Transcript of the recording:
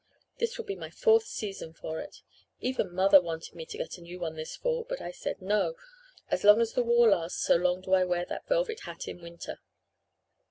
This will be my fourth season for it. Even mother wanted me to get a new one this fall; but I said, 'No.' As long as the war lasts so long do I wear that velvet hat in winter."